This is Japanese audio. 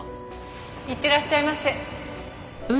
いってらっしゃいませ。